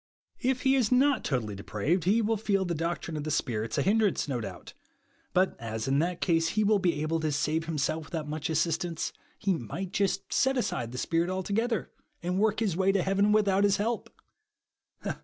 Jf he is oiot totally de praved, he will feel the doctrine of the Spirit's a hindrance, no ,doubt ; but as, in that .case, he will be able to save himself THE ^VANT OF rO\VEn, TO BELIEVE. 137 witlioiib much assistance, he might just set aside the Spirit altogether, and work his way to heaven without his help